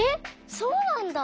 そうなんだ！